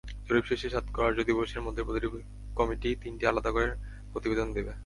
জরিপ শেষে সাত কার্যদিবসের মধ্যেই প্রতিটি কমিটি তিনটি আলাদা প্রতিবেদন দেবে।